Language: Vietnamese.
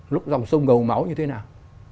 lúc dòng sông ngầu máu như thế nào